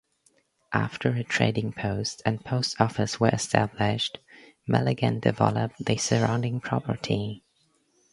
After a trading post and post office were established, Milligan developed the surrounding property.